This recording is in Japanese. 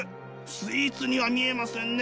スイーツには見えませんね